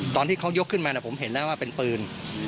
ตอนที่เขายกขึ้นมาผมเห็นแล้วว่าเป็นปืน